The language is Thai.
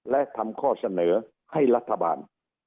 และทำข้อเสนอให้รัฐบาล